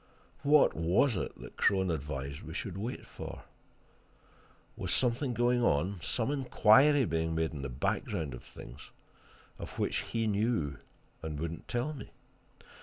What was it that Crone advised we should wait for? Was something going on, some inquiry being made in the background of things, of which he knew and would not tell me?